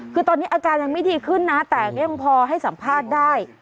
คือตอนนี้อาการยังไม่ดีขึ้นนะแต่ก็ยังพอให้สัมภาษณ์ได้